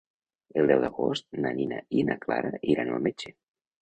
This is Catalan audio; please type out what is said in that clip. El deu d'agost na Nina i na Clara iran al metge.